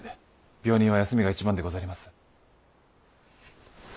病人は休みが一番でござります。